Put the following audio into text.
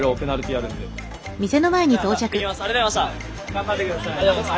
頑張ってください。